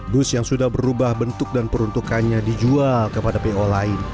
bus yang sudah berubah bentuk dan peruntukannya dijual kepada po lain